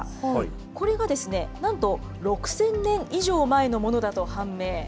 これがなんと６０００年以上前のものだと判明。